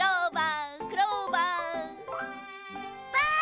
ばあ！